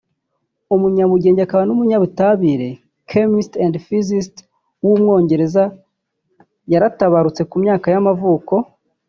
umunyabugenge akaba n’umunyabutabire (chemist-physist) w’umwongereza yaratabarutse ku myaka y’amavuko